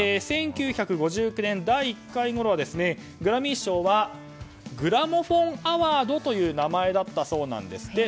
１９５９年第１回のグラミー賞はグラモフォン・アワードという名前だったそうなんです。